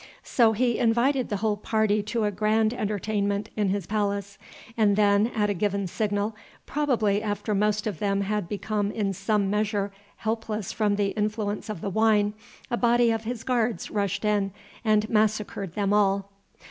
So he invited the whole party to a grand entertainment in his palace, and then, at a given signal, probably after most of them had become in some measure helpless from the influence of the wine, a body of his guards rushed in and massacred them all.